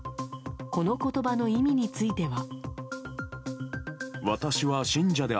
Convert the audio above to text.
この言葉の意味については。